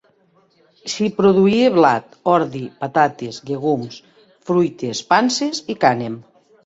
S'hi produïa blat, ordi, patates, llegums, fruites, panses i cànem.